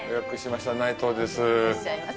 いらっしゃいませ。